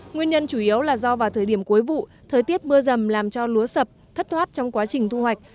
nguyên nhân chủ yếu là do vào thời điểm cuối vụ thời tiết mưa rầm làm cho lúa sập thất thoát trong quá trình thu hoạch